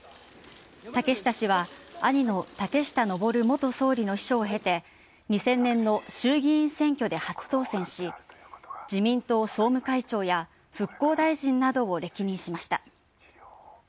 竹下氏は、兄の竹下登元総理の秘書を経て、２０００年の衆議院選挙で初当選し、自民党総務会長や復興大臣などを歴任しました。